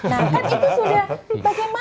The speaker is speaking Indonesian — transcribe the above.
nah kan itu sudah